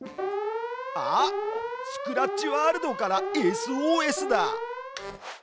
あっスクラッチワールドからＳＯＳだ！